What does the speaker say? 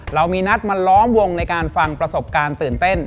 เรามีนัดมาล้อมวงในการฟังประสบการณ์ตื่นเต้น